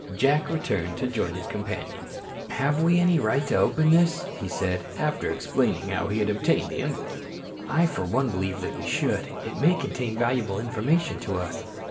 Jack returned to join his companions. "Have we any right to open this?" he said, after explaining how he had obtained the envelope. "I for one believe that we should. It may contain valuable information to us."